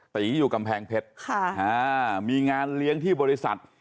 ตีอยู่กำแพงเพชรมีงานเลี้ยงที่บริษัท